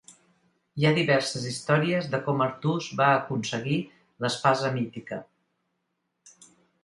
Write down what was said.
Hi ha diverses històries de com Artús va aconseguir l'espasa mítica.